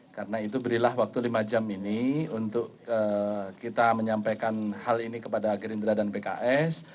karena itu berilah waktu lima jam ini untuk kita menyampaikan hal ini kepada gerindra dan pks